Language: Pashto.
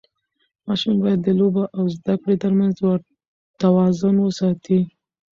ماشوم باید د لوبو او زده کړې ترمنځ توازن وساتي.